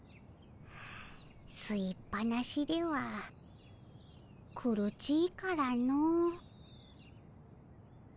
すいっぱなしでは苦ちいからの。